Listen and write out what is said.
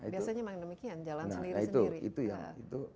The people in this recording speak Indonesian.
biasanya memang demikian jalan sendiri sendiri